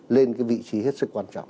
lên cái vị trí của chúng ta